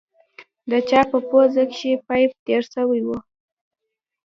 د چا په پوزه کښې پيپ تېر سوى و.